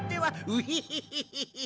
ウヒヒヒヒヒヒ。